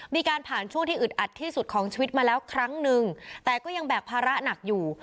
มีการผ่านช่วงที่อึดอัดที่สุดของชีวิตมาแล้วครั้งนึงแต่ก็ยังแบกภาระหนักอยู่